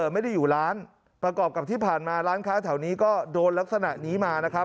ไม่ได้อยู่ร้านประกอบกับที่ผ่านมาร้านค้าแถวนี้ก็โดนลักษณะนี้มานะครับ